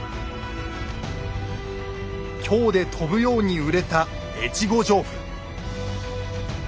京で飛ぶように売れた越後上布。